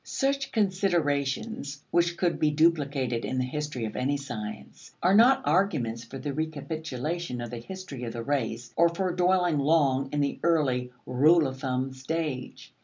Such considerations (which could be duplicated in the history of any science) are not arguments for a recapitulation of the history of the race or for dwelling long in the early rule of thumb stage.